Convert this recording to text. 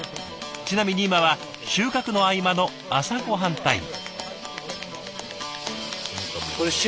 ちなみに今は収穫の合間の朝ごはんタイム。